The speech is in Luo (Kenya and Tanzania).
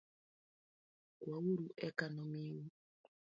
Kwauru eka nomiu